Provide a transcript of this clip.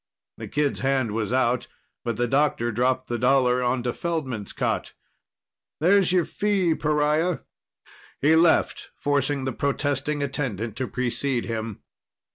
The kid's hand was out, but the doctor dropped the dollar onto Feldman's cot. "There's your fee, pariah." He left, forcing the protesting attendant to precede him.